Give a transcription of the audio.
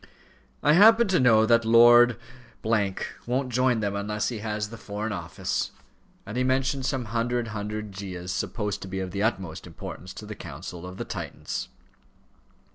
"I happen to know that Lord won't join them unless he has the Foreign Office," and he mentioned some hundred handed Gyas supposed to be of the utmost importance to the counsels of the Titans.